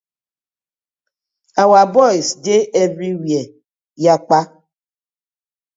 Our boyz dey everywhere yakpa.